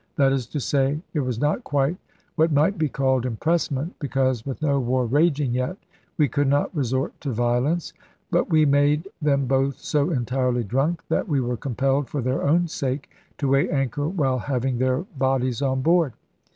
That is to say, it was not quite what might be called impressment; because, with no war raging yet, we could not resort to violence: but we made them both so entirely drunk, that we were compelled, for their own sake, to weigh anchor while having their bodies on board.